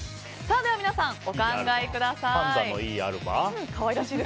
では皆さんお考えください。